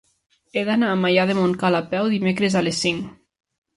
He d'anar a Maià de Montcal a peu dimecres a les cinc.